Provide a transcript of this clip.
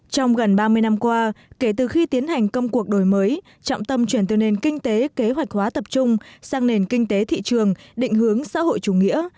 trong gần ba mươi năm qua kể từ khi tiến hành công cuộc đổi mới trọng tâm chuyển từ nền kinh tế kế hoạch hóa tập trung sang nền kinh tế thị trường định hướng xã hội chủ nghĩa